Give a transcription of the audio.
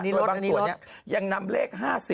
โดยบางส่วนยังนำเลข๕๐